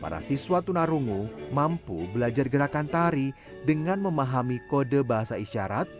para siswa tunarungu mampu belajar gerakan tari dengan memahami kode bahasa isyarat